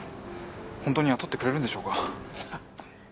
本当に雇ってくれるんでしょうか。